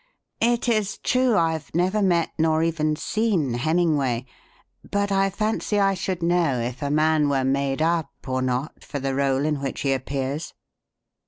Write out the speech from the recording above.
It is true I've never met nor even seen Hemmingway, but I fancy I should know if a man were made up or not for the rôle in which he appears.